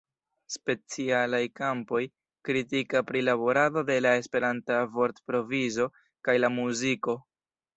Specialaj kampoj: kritika prilaborado de la Esperanta vortprovizo kaj la muziko.